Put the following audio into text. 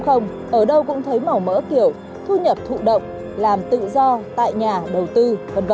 không ở đâu cũng thấy màu mỡ kiểu thu nhập thụ động làm tự do tại nhà đầu tư v v